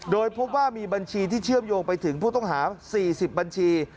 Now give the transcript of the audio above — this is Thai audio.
โดยพบว่ามีบัญชีที่เชื่อมโยงไปถึงผู้ต้องหา๔๐บัญชี